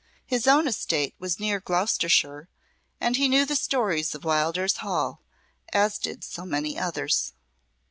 His own estate was near Gloucestershire, and he knew the stories of Wildairs Hall, as did so many others.